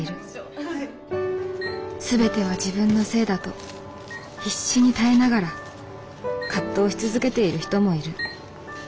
全ては自分のせいだと必死に耐えながら葛藤し続けている人もいる。